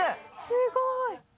すごい。